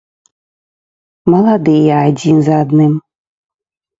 Маладыя, адзін за адным.